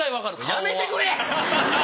やめてくれ！